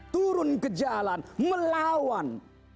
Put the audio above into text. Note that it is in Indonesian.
turun ke jalan melawan